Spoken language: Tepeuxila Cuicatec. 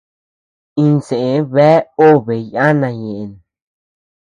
Insë bea obe yana ñeʼen.